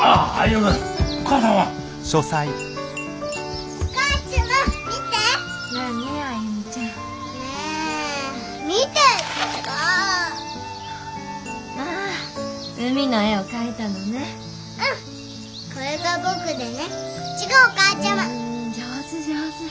うんうん上手上手。